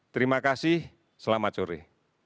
terima kasih selamat sore